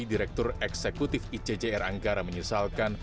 direktur eksekutif icjr anggara menyesalkan